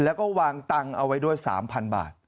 แล้วก็วางตังค์เอาไว้ด้วย๓๐๐บาท